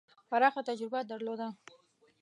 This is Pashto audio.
پراخه تجربه درلوده.